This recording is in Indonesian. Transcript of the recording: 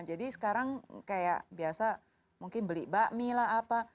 jadi sekarang kayak biasa mungkin beli bakmi lah apa